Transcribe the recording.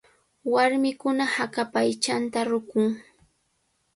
Warmikuna hakapa aychanta ruqun.